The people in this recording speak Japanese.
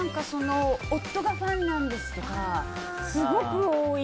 夫がファンなんですとかすごく多い！